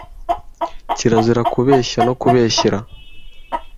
kirazira kubeshya no kubeshyera